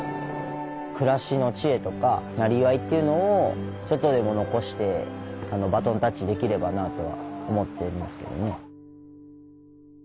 暮らしの知恵とかなりわいっていうのをちょっとでも残してバトンタッチできればなとは思ってるんですけどね。